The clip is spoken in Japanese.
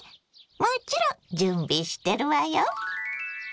もちろん準備してるわよ。